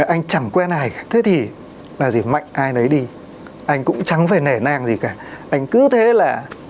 anh chẳng quen ai thế thì là gì mạnh ai đấy đi anh cũng chẳng phải nể nàng gì cả anh cứ thế là